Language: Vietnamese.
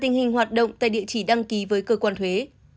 tình hình hoạt động tại địa chỉ đăng ký với cơ quan thuế